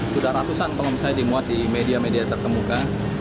sudah ratusan pelom saya dimuat di media media terkemuka